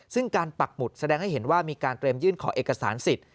ซึ่งการปักหมุดแสดงให้เห็นว่ามีการเตรียมยื่นขอเอกสารสิทธิ์